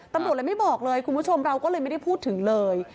ตำรวจเลยไม่บอกเลยคุณผู้ชมเราก็เลยไม่ได้พูดถึงเลย